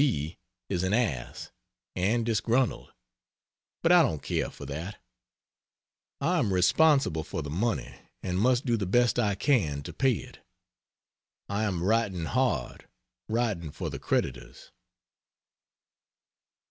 B is an ass, and disgruntled, but I don't care for that. I am responsible for the money and must do the best I can to pay it..... I am writing hard writing for the creditors.